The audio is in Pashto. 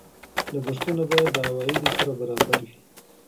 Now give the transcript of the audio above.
لګښتونه باید د عوایدو سره برابر وي.